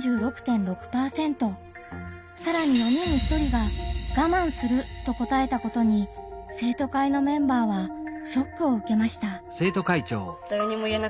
さらに４人に１人が「我慢する」と答えたことに生徒会のメンバーはショックを受けました。